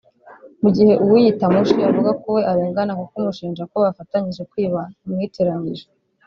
mu gihe uwiyita Mushi avuga ko we arengana kuko umushinja ko bafatanyjie kwiba yamwitiranyije